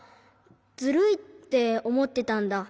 ズルいっておもってたんだ。